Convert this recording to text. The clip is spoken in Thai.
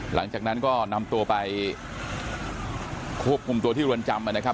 หลังจากนั้นก็นำตัวไปควบคุมตัวที่รวนจำนะครับ